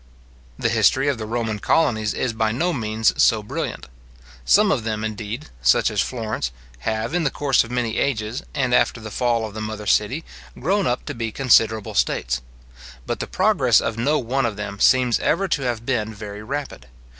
The history of the Roman colonies is by no means so brilliant. Some of them, indeed, such as Florence, have, in the course of many ages, and after the fall of the mother city, grown up to be considerable states. But the progress of no one of them seems ever to have been very rapid.